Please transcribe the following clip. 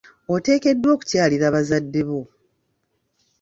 Oteekeddwa okukyalira bazadde bo.